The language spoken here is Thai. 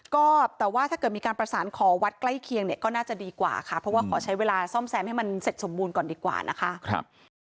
ก็แต่ว่าถ้าเกิดมีการประสานขอวัดใกล้เคียงเนี่ยก็น่าจะดีกว่าค่ะเพราะว่าขอใช้เวลาซ่อมแซมให้มันเสร็จสมบูรณ์ก่อนดีกว่านะคะ